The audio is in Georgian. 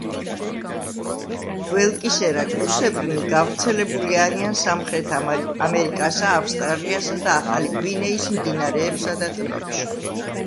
გველკისერა კუსებრნი გავრცელებული არიან სამხრეთ ამერიკასა, ავსტრალიასა და ახალი გვინეის მდინარეებსა და ტბებში.